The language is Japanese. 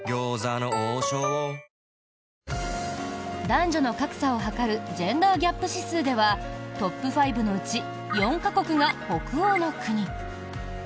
男女の格差を測るジェンダー・ギャップ指数ではトップ５のうち４か国が北欧の国。